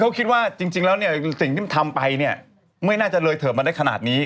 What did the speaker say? เขาคิดว่าจริงแล้วสิ่งที่มันทำไปไม่น่าจะเลยเธอมาขนาดนี้